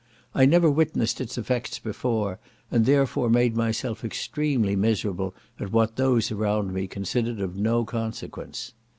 I never witnessed is effects before, and therefore made my self extremely miserable at what those around me considered of no consequence.